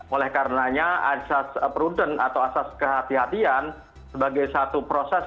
oleh karenanya asas prudent atau asas kehatian sebagai satu proses